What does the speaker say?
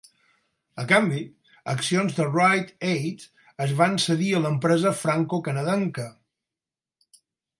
A canvi, accions de Rite Aid es van cedir a l'empresa francocanadenca.